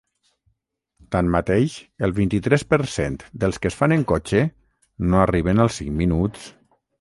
Tanmateix, el vint-i-tres per cent dels que es fan en cotxe no arriben al cinc minuts.